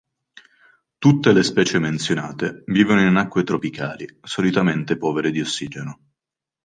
Tutte le specie menzionate vivono in acque tropicali solitamente povere di ossigeno.